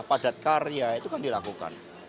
padat karya itu kan dilakukan